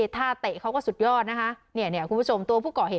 เตะเขาก็สุดยอดนะคะเนี่ยคุณผู้ชมตัวผู้ก่อเหตุ